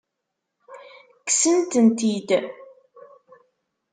Kksen-tent-id?